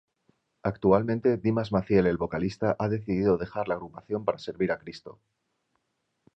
Actualmente Dimas Maciel el vocalista ha decidido dejar la agrupación para servir a Cristo.